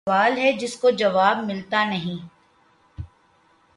کوئی سوال ھے جس کو جواب مِلتا نیں